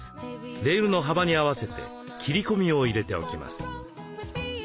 レールの幅に合わせて切り込みを入れておきます。